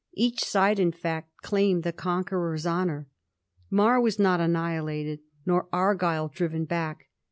Each side, in fact, claimed the conqueror's honour. Mar was not annihilated, nor Argyll driven back.